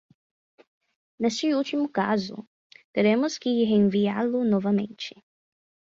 Neste último caso, teremos que reenviá-lo novamente.